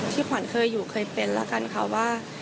ขวัญเคยอยู่เคยเป็นแล้วกันค่ะว่า